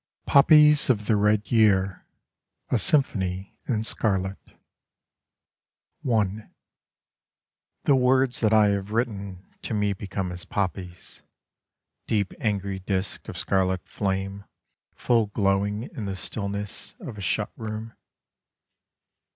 POPPIES OF THE RED YEAR (A Symphony in Scarlet) I The words that I have written To me become as poppies: Deep angry disks of scarlet flame full glowing in the stillness Of a shut room.